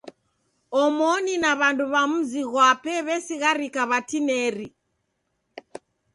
Omoni na w'andu w'a mzi ghwape w'esigharika w'atineri.